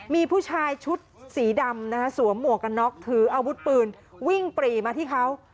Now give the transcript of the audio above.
มีผู้ชายชุดสีดำนะคะสวมหมวกกันน็อกถืออาวุธปืนวิ่งปรีมาที่เขา